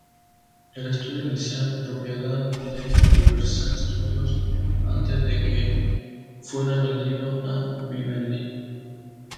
El estudio inicial, propiedad de Universal Studios antes de que fuera vendido a Vivendi.